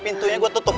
pintunya gue tutup ya